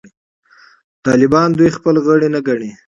طالبان دوی خپل غړي نه ګڼي.